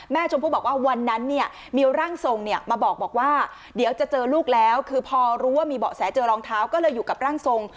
ชมพู่บอกว่าวันนั้นเนี่ยมีร่างทรงเนี่ยมาบอกว่าเดี๋ยวจะเจอลูกแล้วคือพอรู้ว่ามีเบาะแสเจอรองเท้าก็เลยอยู่กับร่างทรง